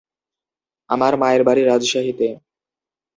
আমার মায়ের বাড়ি রাজশাহীতে।